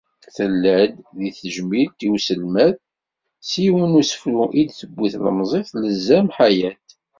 Tella-d diɣ tejmilt i uselmad s yiwen n usefru, i d-tewwi tlemẓit Lezzam Ḥayet.